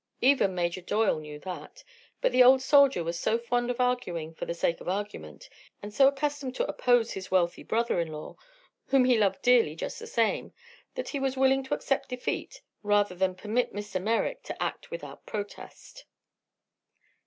Even Major Doyle knew that; but the old soldier was so fond of arguing for the sake of argument, and so accustomed to oppose his wealthy brother in law whom he loved dearly just the same that he was willing to accept defeat rather than permit Mr. Merrick to act without protest.